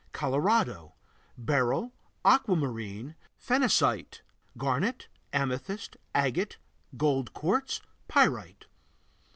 Colorado Beryl, aquamarine, phenacite, garnet, amethyst, agate, gold quartz, pyrite.